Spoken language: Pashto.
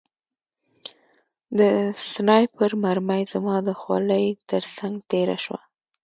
د سنایپر مرمۍ زما د خولۍ ترڅنګ تېره شوه